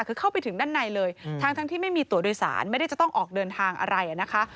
คือเข้าไปถึงด้านในเลยทั้งที่ไม่มีตัวโดยสารไม่ได้จะต้องออกเดินทางอะไรนะคะ